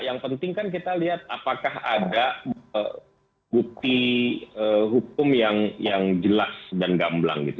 yang penting kan kita lihat apakah ada bukti hukum yang jelas dan gamblang gitu